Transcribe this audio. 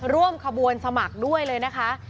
ร่วมขบวนสมัครด้วยเลยนะคะ